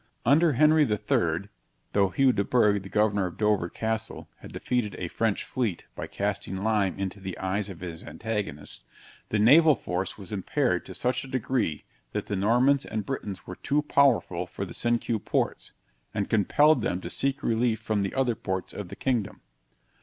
Under Henry III., though Hugh de Burgh, the governor of Dover Castle, had defeated a French fleet by casting lime into the eyes of his antagonists, the naval force was impaired to such a degree that the Normans and Bretons were too powerful for the Cinque Ports, and compelled them to seek relief from the other ports of the kingdom.